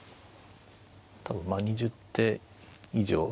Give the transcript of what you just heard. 多分まあ２０手以上。